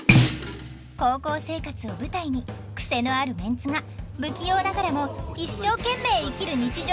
高校生活を舞台にクセのあるメンツが不器用ながらも一生懸命生きる日常をスケッチします！